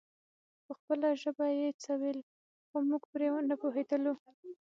په خپله ژبه يې څه ويل خو موږ پرې نه پوهېدلو.